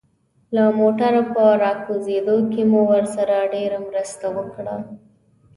له موټره په راکوزېدو کې مو ورسره ډېره مرسته وکړه.